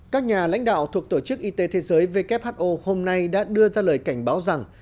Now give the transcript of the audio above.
các nhà lãnh đạo thuộc tổ chức y tế thế giới who hôm nay đã đưa ra lời cảnh báo rằng